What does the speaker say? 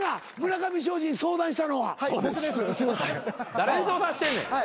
誰に相談してんねん。